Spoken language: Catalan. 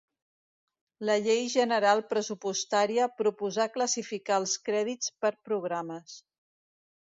La Llei General Pressupostària proposà classificar els crèdits per programes.